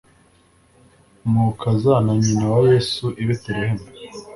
mu kuzana nyina wa Yesu i Beterehemu